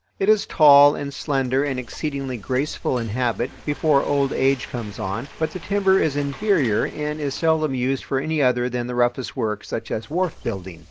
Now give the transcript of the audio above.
It is tall and slender and exceedingly graceful in habit before old age comes on, but the timber is inferior and is seldom used for any other than the roughest work, such as wharf building.